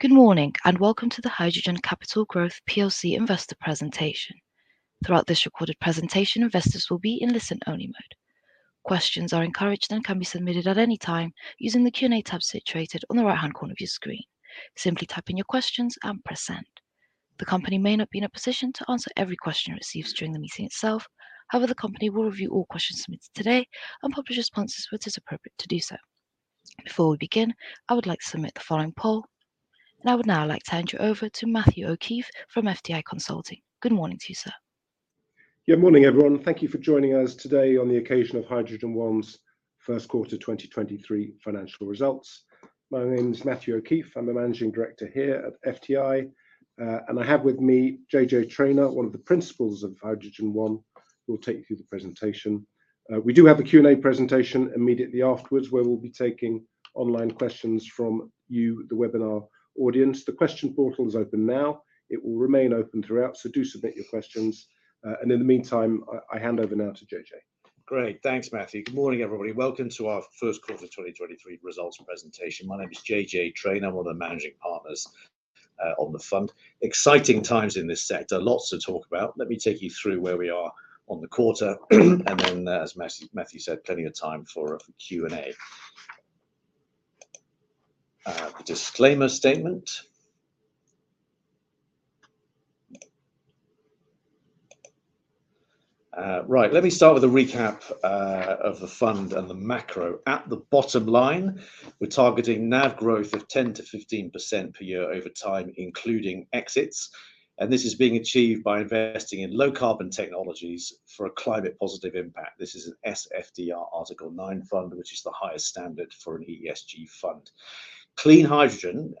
Good morning. Welcome to the HydrogenOne Capital Growth plc investor presentation. Throughout this recorded presentation, investors will be in listen-only mode. Questions are encouraged and can be submitted at any time using the Q&A tab situated on the right-hand corner of your screen. Simply type in your questions and press Send. The company may not be in a position to answer every question it receives during the meeting itself. However, the company will review all questions submitted today and publish responses where it is appropriate to do so. Before we begin, I would like to submit the following poll. I would now like to hand you over to Matthew O'Keeffe from FTI Consulting. Good morning to you, sir. Good morning, everyone. Thank you for joining us today on the occasion of HydrogenOne's first quarter 2023 financial results. My name is Matthew O'Keeffe. I'm the managing director here at FTI, and I have with me JJ Traynor, one of the principals of HydrogenOne, who will take you through the presentation. We do have a Q&A presentation immediately afterwards, where we'll be taking online questions from you, the webinar audience. The question portal is open now. It will remain open throughout, so do submit your questions. In the meantime, I hand over now to JJ. Great. Thanks, Matthew. Good morning, everybody. Welcome to our first quarter 2023 results presentation. My name is JJ Traynor. I'm one of the managing partners on the fund. Exciting times in this sector. Lots to talk about. Let me take you through where we are on the quarter, then, as Matthew said, plenty of time for a Q&A. The disclaimer statement. Right. Let me start with a recap of the fund and the macro. At the bottom line, we're targeting NAV growth of 10% to 15% per year over time, including exits. This is being achieved by investing in low-carbon technologies for a climate positive impact. This is an SFDR Article 9 fund, which is the highest standard for an ESG fund. Clean hydrogen,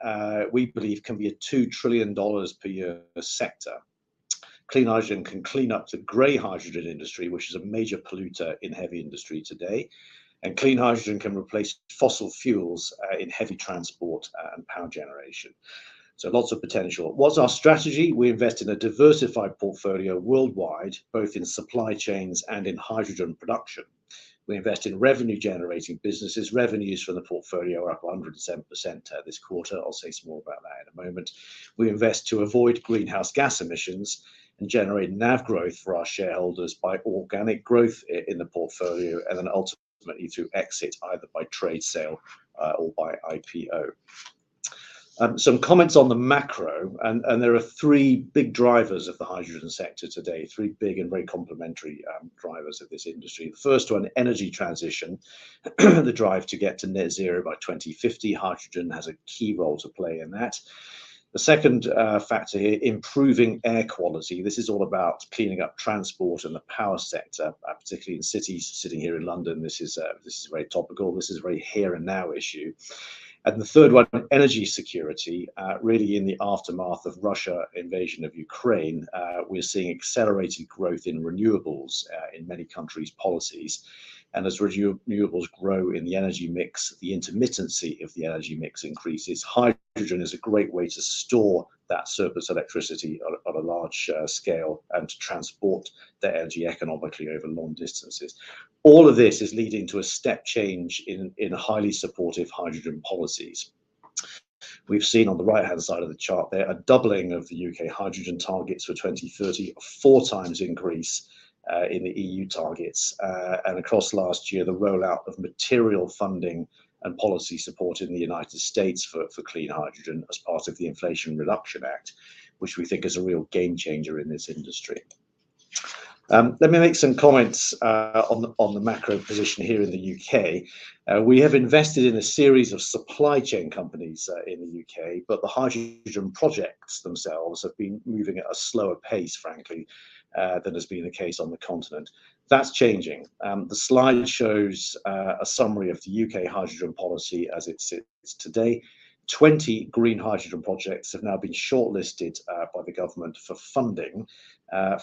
we believe can be a $2 trillion per year sector. Clean hydrogen can clean up the gray hydrogen industry, which is a major polluter in heavy industry today. Clean hydrogen can replace fossil fuels in heavy transport and power generation. Lots of potential. What's our strategy? We invest in a diversified portfolio worldwide, both in supply chains and in hydrogen production. We invest in revenue-generating businesses. Revenues from the portfolio are up 100% this quarter. I'll say some more about that in a moment. We invest to avoid greenhouse gas emissions and generate NAV growth for our shareholders by organic growth in the portfolio and then ultimately through exit, either by trade sale or by IPO. Some comments on the macro, and there are three big drivers of the hydrogen sector today, three big and very complementary drivers of this industry. The first one, energy transition, the drive to get to net zero by 2050. Hydrogen has a key role to play in that. The second factor here, improving air quality. This is all about cleaning up transport and the power sector, particularly in cities. Sitting here in London, this is very topical. This is a very here-and-now issue. The third one, energy security. Really in the aftermath of Russia invasion of Ukraine, we're seeing accelerated growth in renewables in many countries' policies. As renewables grow in the energy mix, the intermittency of the energy mix increases. Hydrogen is a great way to store that surplus electricity on a large scale and to transport that energy economically over long distances. All of this is leading to a step change in highly supportive hydrogen policies. We've seen on the right-hand side of the chart there a doubling of the U.K. hydrogen targets for 2030, a four times increase in the E.U. targets. Across last year, the rollout of material funding and policy support in the U.S. for clean hydrogen as part of the Inflation Reduction Act, which we think is a real game changer in this industry. Let me make some comments on the macro position here in the U.K. We have invested in a series of supply chain companies in the U.K., the hydrogen projects themselves have been moving at a slower pace, frankly, than has been the case on the continent. That's changing. The slide shows a summary of the U.K. hydrogen policy as it sits today. 20 green hydrogen projects have now been shortlisted by the government for funding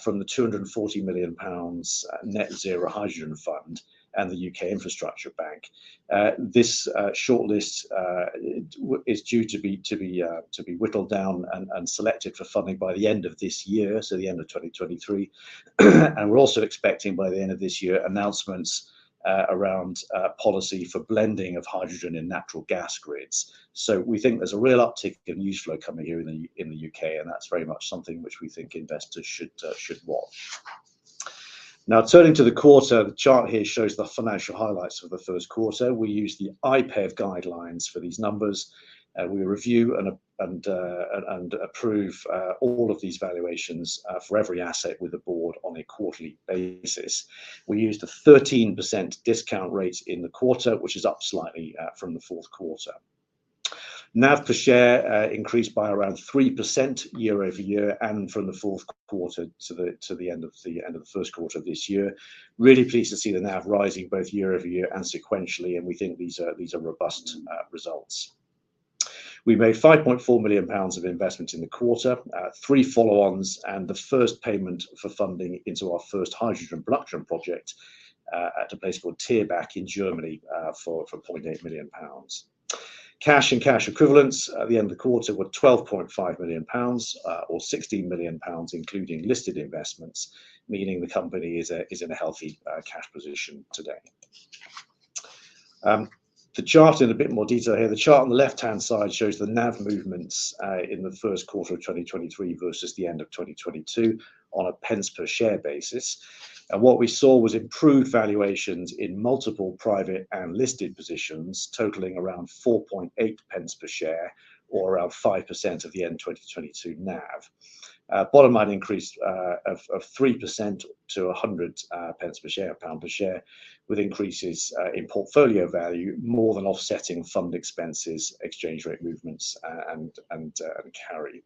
from the 240 million pounds Net Zero Hydrogen Fund and the UK Infrastructure Bank. This shortlist is due to be whittled down and selected for funding by the end of this year, so the end of 2023. We're also expecting by the end of this year announcements around policy for blending of hydrogen in natural gas grids. We think there's a real uptick in news flow coming here in the UK, and that's very much something which we think investors should watch. Turning to the quarter, the chart here shows the financial highlights for the first quarter. We use the IPEV guidelines for these numbers. We review and approve all of these valuations for every asset with the board on a quarterly basis. We used a 13% discount rate in the quarter, which is up slightly from the fourth quarter. NAV per share increased by around 3% year-over-year and from the fourth quarter to the end of the first quarter this year. Really pleased to see the NAV rising both year-over-year and sequentially. We think these are robust results. We made 5.4 million pounds of investment in the quarter, three follow-ons and the first payment for funding into our first hydrogen production project at a place called Thierbach in Germany, for 4.8 million pounds. Cash and cash equivalents at the end of the quarter were 12.5 million pounds, or 16 million pounds, including listed investments, meaning the company is in a healthy cash position today. The chart in a bit more detail here. The chart on the left-hand side shows the NAV movements in the first quarter of 2023 versus the end of 2022 on a pence per share basis. What we saw was improved valuations in multiple private and listed positions totaling around 4.8 pence per share or around 5% of the end 2022 NAV. Bottom line increase of 3% to 100 pence per share, GBP per share, with increases in portfolio value more than offsetting fund expenses, exchange rate movements and carry.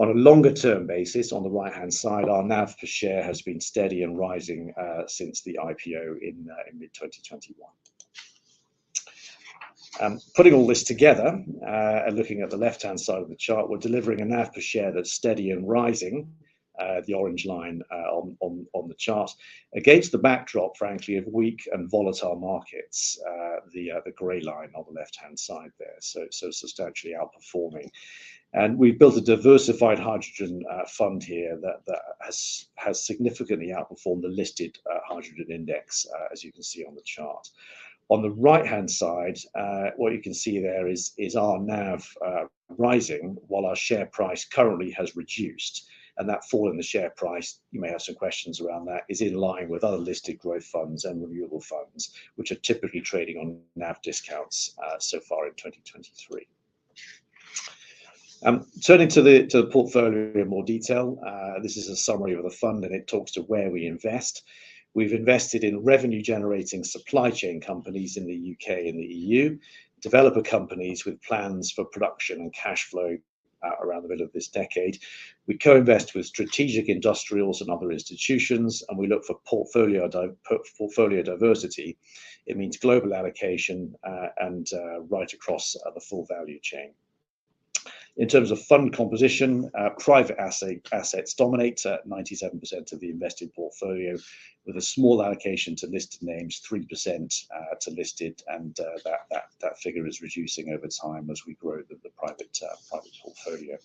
On a longer-term basis, on the right-hand side, our NAV per share has been steady and rising since the IPO in mid-2021. Putting all this together, looking at the left-hand side of the chart, we're delivering a NAV per share that's steady and rising, the orange line on the chart, against the backdrop, frankly, of weak and volatile markets, the gray line on the left-hand side there, so substantially outperforming. We've built a diversified hydrogen fund here that has significantly outperformed the listed hydrogen index, as you can see on the chart. On the right-hand side, what you can see there is our NAV rising while our share price currently has reduced. That fall in the share price, you may have some questions around that, is in line with other listed growth funds and renewable funds, which are typically trading on NAV discounts, so far in 2023. Turning to the portfolio in more detail, this is a summary of the fund, and it talks to where we invest. We've invested in revenue-generating supply chain companies in the UK and the EU, developer companies with plans for production and cash flow out around the middle of this decade. We co-invest with strategic industrials and other institutions, and we look for portfolio diversity. It means global allocation, and right across the full value chain. In terms of fund composition, private assets dominate at 97% of the invested portfolio, with a small allocation to listed names, 3% to listed and that figure is reducing over time as we grow the private portfolio.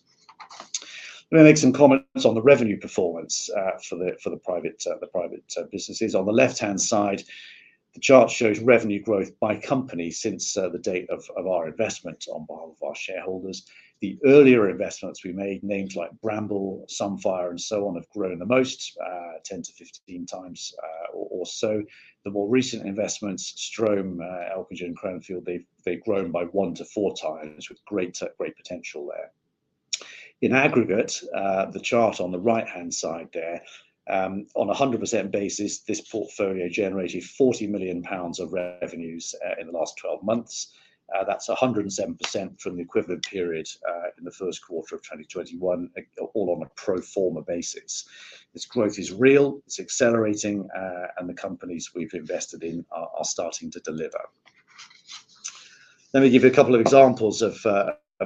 Let me make some comments on the revenue performance for the private businesses. On the left-hand side, the chart shows revenue growth by company since the date of our investment on behalf of our shareholders. The earlier investments we made, names like Bramble, Sunfire and so on, have grown the most, 10-15 times or so. The more recent investments, Strohm, Elcogen, Cranfield, they've grown by 1-4 times with great potential there. In aggregate, the chart on the right-hand side there, on a 100% basis, this portfolio generated 40 million pounds of revenues in the last 12 months. That's 107% from the equivalent period in the first quarter of 2021, all on a pro forma basis. This growth is real, it's accelerating, and the companies we've invested in are starting to deliver. Let me give you a couple of examples of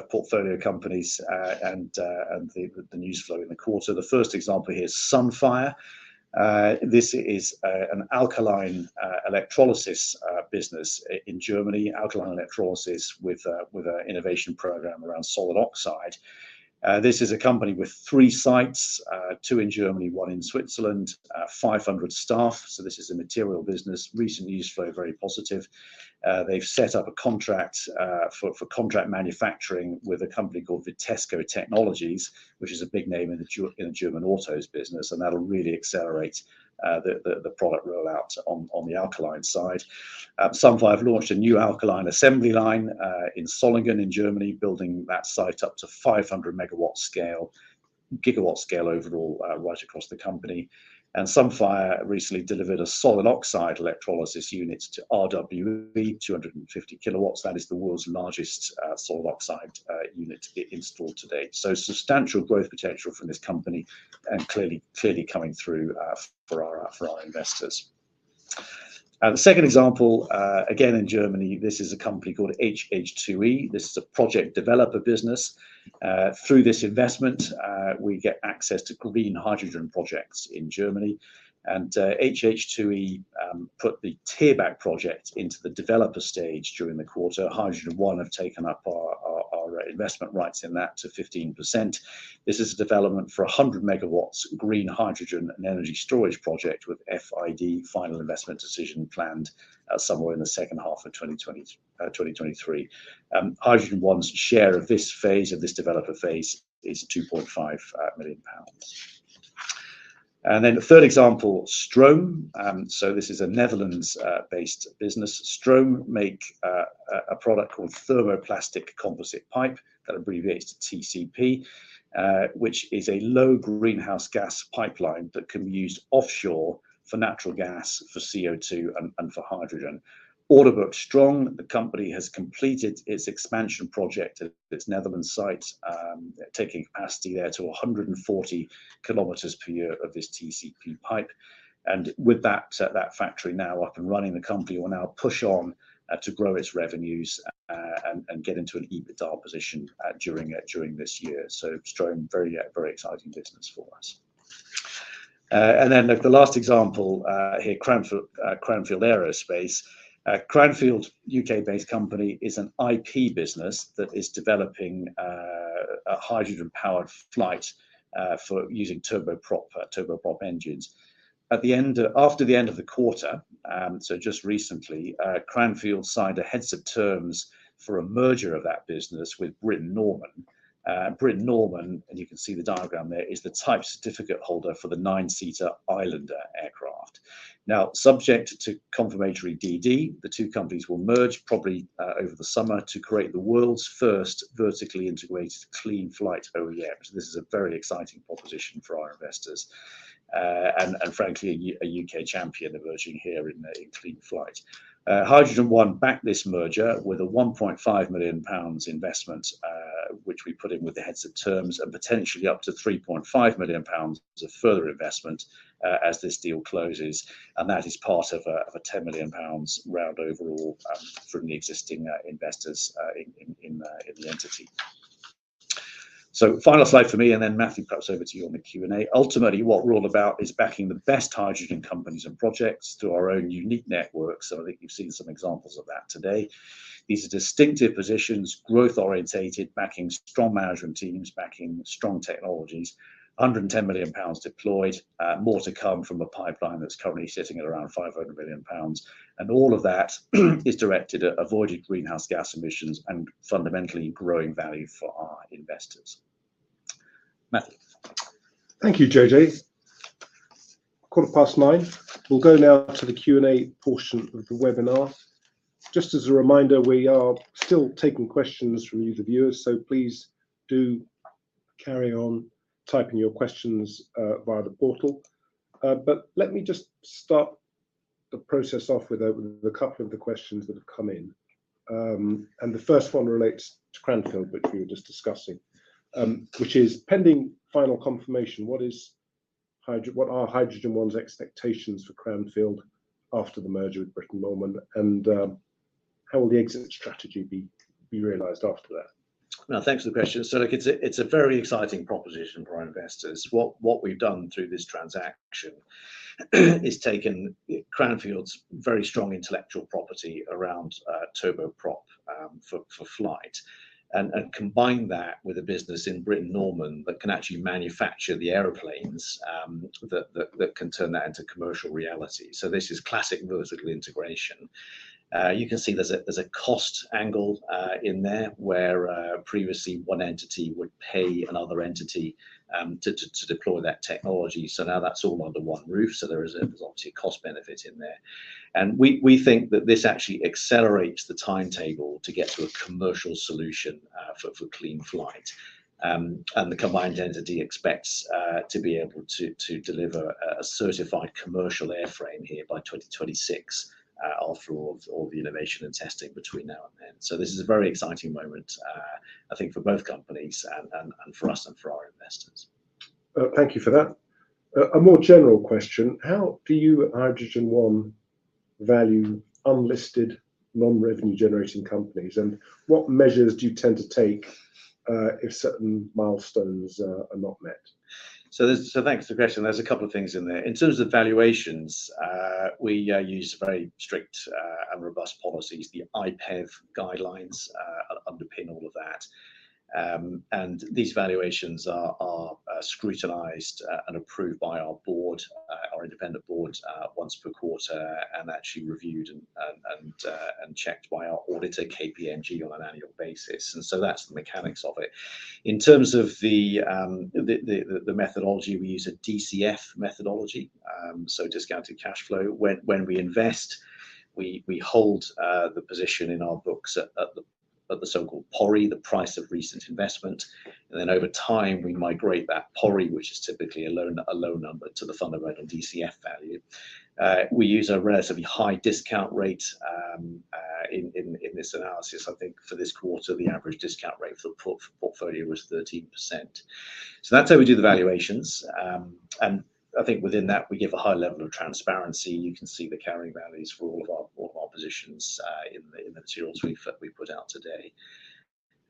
portfolio companies and the news flow in the quarter. The first example here is Sunfire. This is an alkaline electrolysis business in Germany. Alkaline electrolysis with an innovation program around solid oxide. This is a company with 3 sites, 2 in Germany, 1 in Switzerland, 500 staff. This is a material business. Recent news flow, very positive. They've set up a contract for contract manufacturing with a company called Vitesco Technologies, which is a big name in the German autos business, and that'll really accelerate the product rollout on the alkaline side. Sunfire have launched a new alkaline assembly line in Solingen in Germany, building that site up to 500 megawatt scale, gigawatt scale overall, right across the company. Sunfire recently delivered a solid oxide electrolysis unit to RWE, 250 kilowatts. That is the world's largest solid oxide unit installed to date. Substantial growth potential from this company and clearly coming through for our investors. The second example, again, in Germany, this is a company called HH2E. This is a project developer business. Through this investment, we get access to green hydrogen projects in Germany. HH2E put the Thierbach project into the developer stage during the quarter. HydrogenOne have taken up our investment rights in that to 15%. This is a development for 100 megawatts green hydrogen and energy storage project with FID, final investment decision, planned somewhere in the second half of 2023. HydrogenOne's share of this phase, of this developer phase, is 2.5 million pounds. The third example, Strohm. This is a Netherlands based business. Strohm make a product called Thermoplastic Composite Pipe, that abbreviates to TCP, which is a low greenhouse gas pipeline that can be used offshore for natural gas, for CO2 and for hydrogen. Order book strong. The company has completed its expansion project at its Netherlands site, taking capacity there to 140 km per year of this TCP pipe. With that factory now up and running, the company will now push on to grow its revenues and get into an EBITDA position during this year. Strohm, very exciting business for us. The last example here, Cranfield Aerospace. Cranfield, U.K.-based company, is an IP business that is developing a hydrogen-powered flight for using turboprop engines. After the end of the quarter, just recently, Cranfield signed a heads of terms for a merger of that business with Britten-Norman. Britten-Norman, and you can see the diagram there, is the type certificate holder for the nine-seater Islander aircraft. Subject to confirmatory DD, the two companies will merge probably over the summer to create the world's first vertically integrated clean flight OEM. This is a very exciting proposition for our investors and frankly a UK champion emerging here in a clean flight. HydrogenOne backed this merger with a 1.5 million pounds investment, which we put in with the heads of terms, and potentially up to 3.5 million pounds of further investment as this deal closes. That is part of a 10 million pounds round overall from the existing investors in the entity. Final slide for me and then Matthew, perhaps over to you on the Q&A. Ultimately, what we're all about is backing the best hydrogen companies and projects through our own unique network. I think you've seen some examples of that today. These are distinctive positions, growth-oriented, backing strong management teams, backing strong technologies. 110 million pounds deployed, more to come from a pipeline that's currently sitting at around 500 million pounds. All of that is directed at avoided greenhouse gas emissions and fundamentally growing value for our investors. Matthew. Thank you, JJ. 9:15 A.M. We'll go now to the Q&A portion of the webinar. Just as a reminder, we are still taking questions from you, the viewers, so please do carry on typing your questions via the portal. Let me just start the process off with a couple of the questions that have come in. The first one relates to Cranfield, which we were just discussing, which is pending final confirmation, what are HydrogenOne's expectations for Cranfield after the merger with Britten-Norman, and how will the exit strategy be realized after that? Thanks for the question. Look, it's a very exciting proposition for our investors. What we've done through this transaction is taken Cranfield's very strong intellectual property around turboprop for flight and combined that with a business in Britten-Norman that can actually manufacture the airplanes that can turn that into commercial reality. This is classic vertical integration. You can see there's a cost angle in there where previously one entity would pay another entity to deploy that technology. Now that's all under one roof, so there is obviously a cost benefit in there. We think that this actually accelerates the timetable to get to a commercial solution for clean flight. The combined entity expects to be able to deliver a certified commercial airframe here by 2026 after all the innovation and testing between now and then. This is a very exciting moment, I think for both companies and for us, and for our investors. Thank you for that. A more general question. How do you at HydrogenOne value unlisted non-revenue generating companies, and what measures do you tend to take if certain milestones are not met? Thanks for the question. There's a couple of things in there. In terms of valuations, we use very strict and robust policies. The IPEV guidelines underpin all of that. These valuations are scrutinized and approved by our board, our independent board, once per quarter and actually reviewed and checked by our auditor, KPMG, on an annual basis. That's the mechanics of it. In terms of the methodology, we use a DCF methodology, so discounted cash flow. When we invest, we hold the position in our books at the so-called PORI, the price of recent investment. Over time, we migrate that PORI, which is typically a low number, to the fundamental DCF value. We use a relatively high discount rate in this analysis. I think for this quarter, the average discount rate for the portfolio was 13%. That's how we do the valuations. I think within that we give a high level of transparency. You can see the carrying values for all of our positions in the materials we put out today.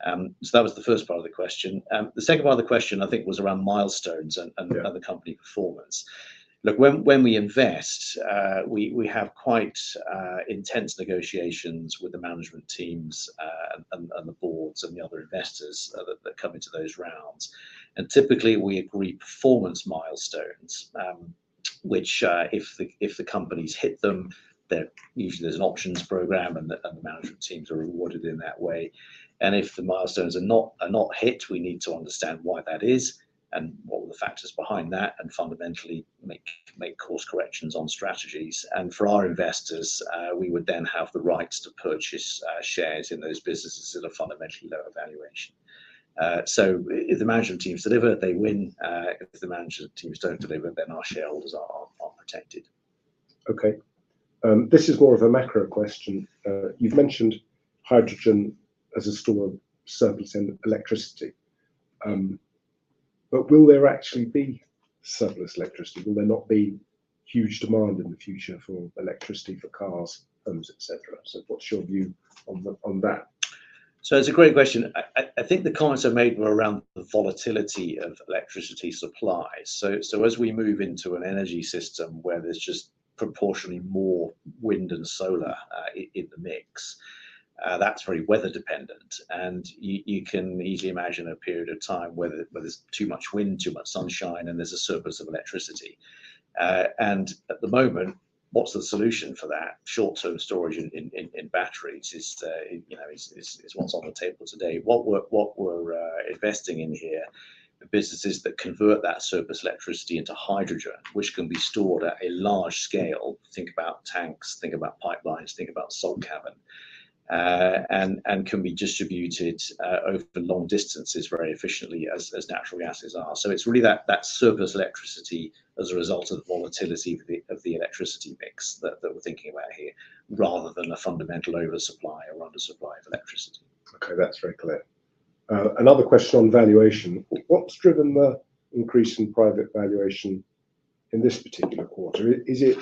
That was the first part of the question. The second part of the question I think was around milestones and other company performance. Look, when we invest, we have quite intense negotiations with the management teams and the boards and the other investors that come into those rounds. Typically, we agree performance milestones, which, if the companies hit them, there's an options program and the management teams are rewarded in that way. If the milestones are not hit, we need to understand why that is and what were the factors behind that and fundamentally make course corrections on strategies. For our investors, we would then have the rights to purchase shares in those businesses at a fundamentally lower valuation. If the management teams deliver, they win. If the management teams don't deliver, then our shareholders are protected. Okay. This is more of a macro question. You've mentioned hydrogen as a store of surplus electricity. Will there actually be surplus electricity? Will there not be huge demand in the future for electricity for cars, homes, et cetera? What's your view on the, on that? It's a great question. I think the comments I made were around the volatility of electricity supply. As we move into an energy system where there's just proportionally more wind and solar in the mix, that's very weather dependent, and you can easily imagine a period of time where there's too much wind, too much sunshine, and there's a surplus of electricity. At the moment, what's the solution for that? Short-term storage in batteries is, you know, what's on the table today. What we're investing in here are businesses that convert that surplus electricity into hydrogen, which can be stored at a large scale. Think about tanks, think about pipelines, think about salt cavern, and can be distributed over long distances very efficiently as natural gases are. It's really that surplus electricity as a result of the volatility of the electricity mix that we're thinking about here, rather than a fundamental oversupply or undersupply of electricity. That's very clear. Another question on valuation. What's driven the increase in private valuation in this particular quarter? Is it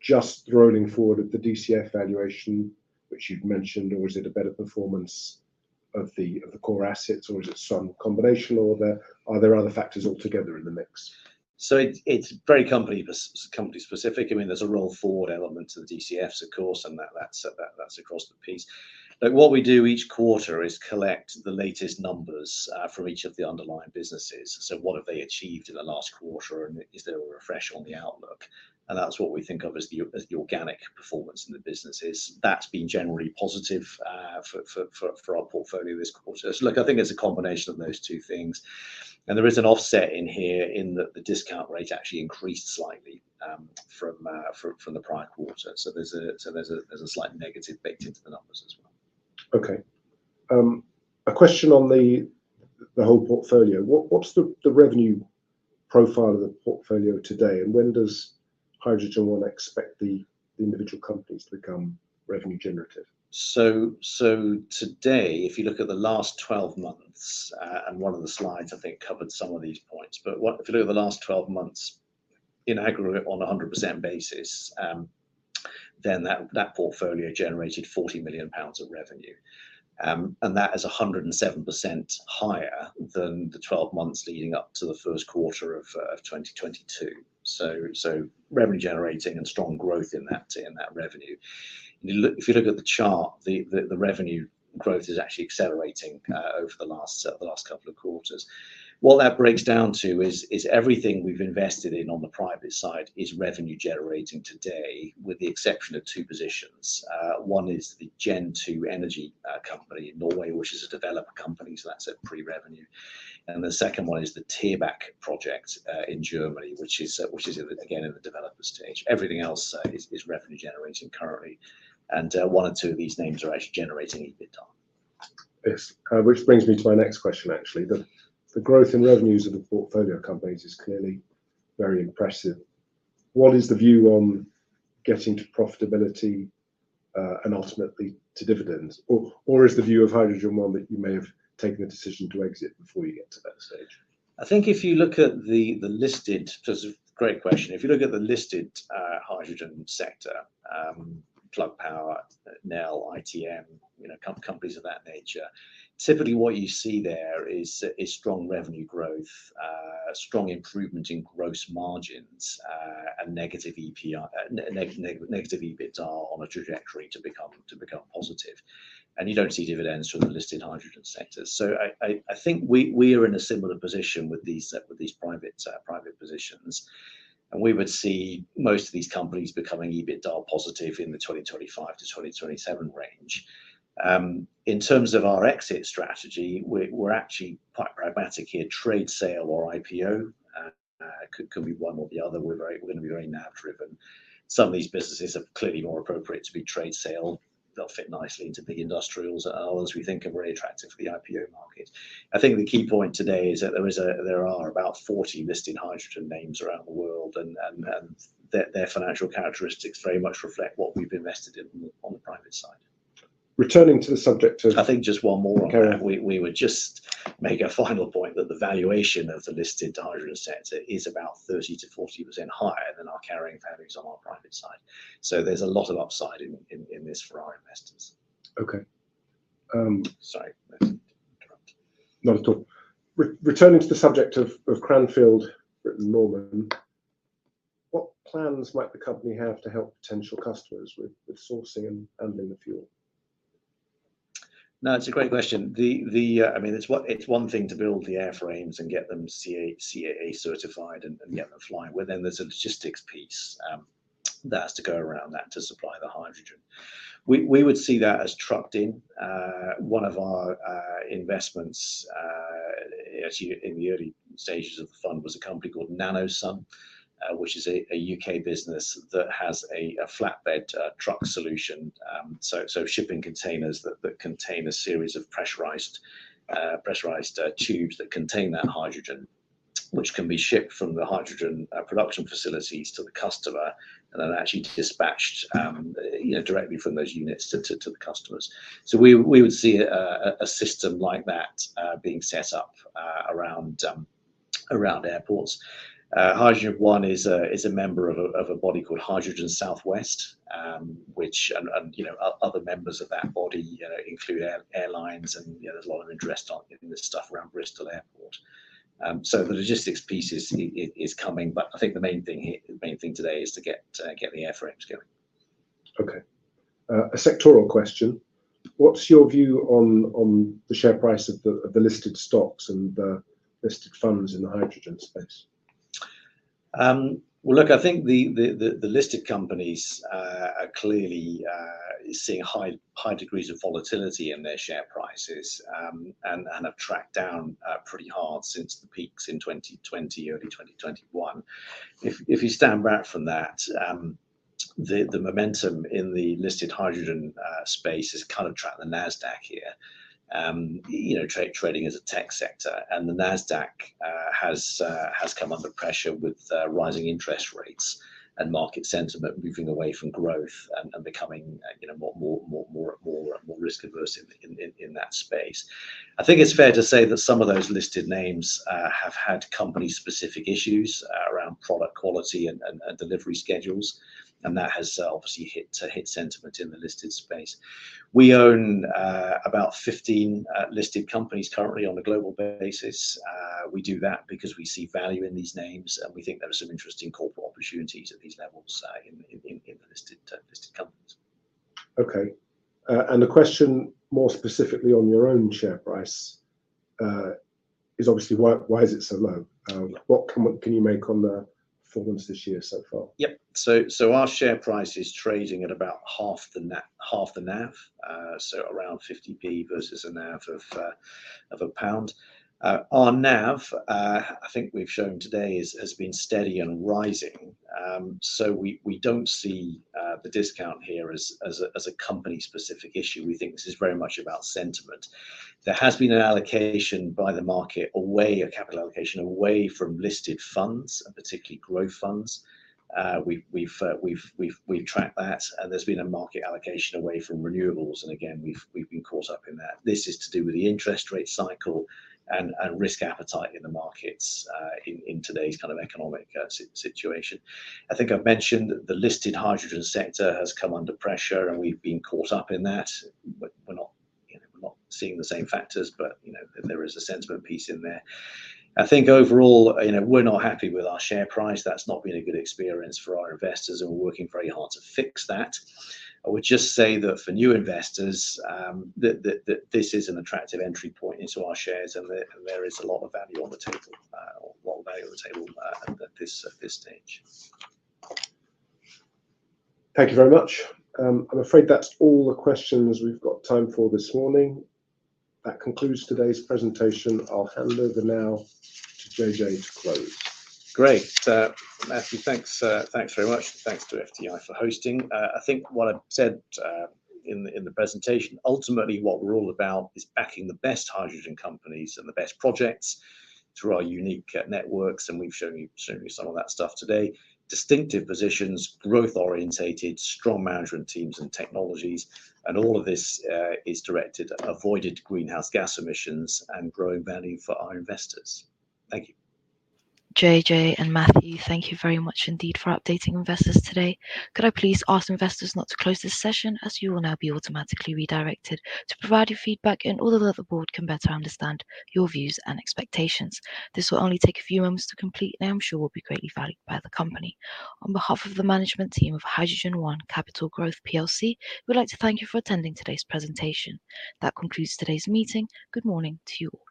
just the rolling forward of the DCF valuation, which you'd mentioned, or is it a better performance of the core assets, or is it some combination, or are there other factors altogether in the mix? It's very company-specific. I mean, there's a roll forward element to the DCFs of course, and that's across the piece. What we do each quarter is collect the latest numbers from each of the underlying businesses. What have they achieved in the last quarter, and is there a refresh on the outlook? That's what we think of as the organic performance in the businesses. That's been generally positive for our portfolio this quarter. Look, I think there's a combination of those two things, and there is an offset in here in that the discount rate actually increased slightly from the prior quarter. There's a slight negative baked into the numbers as well. Okay. A question on the whole portfolio. What, what's the revenue profile of the portfolio today, and when does HydrogenOne expect the individual companies to become revenue generative? Today, if you look at the last 12 months, and one of the slides I think covered some of these points. If you look at the last 12 months in aggregate on a 100% basis, then that portfolio generated 40 million pounds of revenue. That is 107% higher than the 12 months leading up to the first quarter of 2022. Revenue generating and strong growth in that revenue. If you look at the chart, the revenue growth is actually accelerating over the last couple of quarters. What that breaks down to is everything we've invested in on the private side is revenue generating today, with the exception of two positions. One is the Gen2 Energy company in Norway, which is a developer company, so that's at pre-revenue. The second one is the Thierbach project in Germany, which is again in the developer stage. Everything else is revenue generating currently, and one or two of these names are actually generating EBITDA. Yes. Which brings me to my next question, actually. The growth in revenues of the portfolio companies is clearly very impressive. What is the view on getting to profitability and ultimately to dividends? Or is the view of HydrogenOne that you may have taken a decision to exit before you get to that stage? I think if you look at the listed. That's a great question. If you look at the listed hydrogen sector, Plug Power, Nel, ITM, you know, companies of that nature, typically what you see there is strong revenue growth, strong improvement in gross margins, a negative EBITDA on a trajectory to become positive. You don't see dividends from the listed hydrogen sectors. I think we are in a similar position with these private positions, and we would see most of these companies becoming EBITDA positive in the 2025 to 2027 range. In terms of our exit strategy, we're actually quite pragmatic here. Trade sale or IPO could be one or the other. We're gonna be very NAV driven. Some of these businesses are clearly more appropriate to be trade sale. They'll fit nicely into the industrials. Others we think are very attractive for the IPO market. I think the key point today is that there are about 40 listed hydrogen names around the world and their financial characteristics very much reflect what we've invested in on the private side. Returning to the subject. I think just one more on that. Okay. We would just make a final point that the valuation of the listed hydrogen sector is about 30%-40% higher than our carrying values on our private side. There's a lot of upside in this for our investors. Okay. Sorry, didn't mean to interrupt. Not at all. Returning to the subject of Cranfield, Britten-Norman, what plans might the company have to help potential customers with sourcing and handling the fuel? No, it's a great question. I mean, it's one thing to build the airframes and get them CAA certified and get them flying. Then there's a logistics piece that has to go around that to supply the hydrogen. We would see that as trucked in. One of our investments, actually in the early stages of the fund was a company called NanoSUN, which is a U.K. business that has a flatbed truck solution. So shipping containers that contain a series of pressurized tubes that contain that hydrogen, which can be shipped from the hydrogen production facilities to the customer and then actually dispatched, you know, directly from those units to the customers. We would see a system like that being set up around airports. HydrogenOne is a member of a body called Hydrogen South West, which, and, you know, other members of that body, you know, include airlines and, you know, there's a lot of interest on getting this stuff around Bristol Airport. The logistics piece is coming, but I think the main thing here, the main thing today is to get the airframes going. Okay. A sectoral question: what's your view on the share price of the listed stocks and the listed funds in the hydrogen space? Well, look, I think the listed companies are clearly seeing high degrees of volatility in their share prices and have tracked down pretty hard since the peaks in 2020, early 2021. If you stand back from that, the momentum in the listed hydrogen space has kind of tracked the Nasdaq here, you know, trading as a tech sector. The Nasdaq has come under pressure with rising interest rates and market sentiment moving away from growth and becoming, you know, more and more risk-averse in that space. I think it's fair to say that some of those listed names have had company-specific issues around product quality and delivery schedules, and that has obviously hit sentiment in the listed space. We own about 15 listed companies currently on a global basis. We do that because we see value in these names, and we think there are some interesting corporate opportunities at these levels, in listed companies. Okay. A question more specifically on your own share price is obviously why is it so low? What comment can you make on the performance this year so far? Yep. Our share price is trading at about half the NAV, so around 50p versus a NAV of GBP 1. Our NAV, I think we've shown today is, has been steady and rising. We don't see the discount here as a company-specific issue. We think this is very much about sentiment. There has been an allocation by the market away, a capital allocation away from listed funds and particularly growth funds. We've tracked that, and there's been a market allocation away from renewables, and again, we've been caught up in that. This is to do with the interest rate cycle and risk appetite in the markets in today's kind of economic situation. I think I've mentioned that the listed hydrogen sector has come under pressure. We've been caught up in that. We're not, you know, we're not seeing the same factors. You know, there is a sentiment piece in there. I think overall, you know, we're not happy with our share price. That's not been a good experience for our investors. We're working very hard to fix that. I would just say that for new investors, that this is an attractive entry point into our shares, and there is a lot of value on the table at this stage. Thank you very much. I'm afraid that's all the questions we've got time for this morning. That concludes today's presentation. I'll hand over now to JJ to close. Great. Matthew, thanks very much. Thanks to FTI for hosting. I think what I said in the presentation, ultimately what we're all about is backing the best hydrogen companies and the best projects through our unique networks, and we've shown you some of that stuff today. Distinctive positions, growth-orientated, strong management teams and technologies, and all of this is directed at avoided greenhouse gas emissions and growing value for our investors. Thank you. JJ and Matthew, thank you very much indeed for updating investors today. Could I please ask investors not to close this session, as you will now be automatically redirected to provide your feedback and all of the board can better understand your views and expectations. This will only take a few moments to complete, and I am sure will be greatly valued by the company. On behalf of the management team of HydrogenOne Capital Growth plc, we'd like to thank you for attending today's presentation. That concludes today's meeting. Good morning to you all